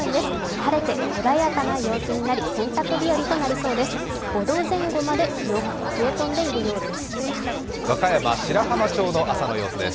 晴れて穏やかな陽気になり、洗濯日和となりそうです。